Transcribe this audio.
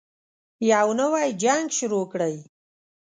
يو نـوی جـنګ شروع كړئ.